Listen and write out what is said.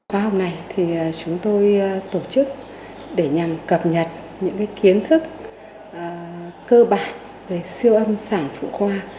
khoa học này chúng tôi tổ chức để nhằm cập nhật những kiến thức cơ bản về siêu âm sản phụ khoa